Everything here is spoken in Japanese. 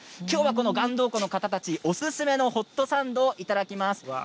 きょうは岩洞湖の方々おすすめのホットサンドいただきます。